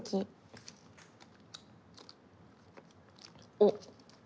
おっ！